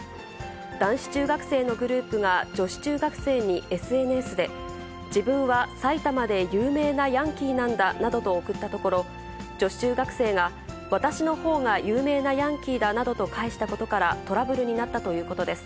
男子中学生のグループが女性中学生にＳＮＳで、自分は埼玉で有名なヤンキーなんだなどと送ったところ、女子中学生が、私のほうが有名なヤンキーだなどと返したことから、トラブルになったということです。